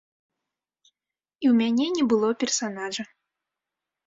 І ў мяне не было персанажа.